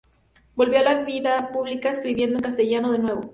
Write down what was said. Volvió a la vida pública escribiendo en castellano de nuevo.